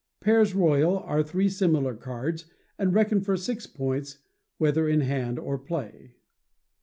Pairs Royal are three similar cards, and reckon for six points, whether in hand or play.